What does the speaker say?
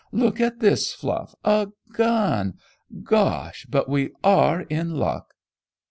Look at this, Fluff a gun! Gosh! but we are in luck!"